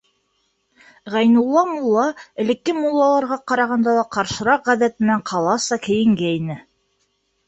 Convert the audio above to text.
Ғәйнулла мулла элекке муллаларға ҡарағанда ла ҡаршыраҡ ғәҙәт менән ҡаласа кейенгәйне.